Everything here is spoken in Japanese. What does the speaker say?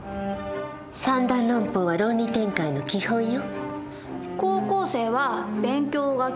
三段論法は論理展開の基本よ。